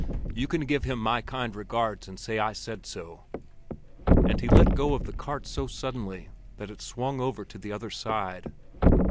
You can give him my kind regards and say I said so." And he let go of the cart so suddenly that it swung over to the other side.